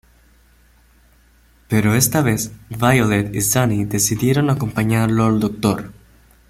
Pero esta vez Violet y Sunny decidieron acompañarlo al doctor.